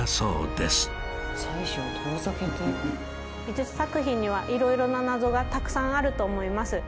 美術作品にはいろいろなナゾがたくさんあると思います。